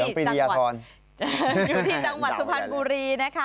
อยู่ที่จังหวัดสุพรรณบุรีนะคะ